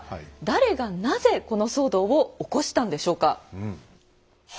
誰がなぜこの騒動を起こしたんでしょうか。